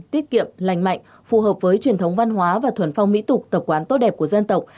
tiết kiệm lành mạnh phù hợp với truyền thống văn hóa và thuần phong mỹ tục tập quán tốt đẹp của dân tộc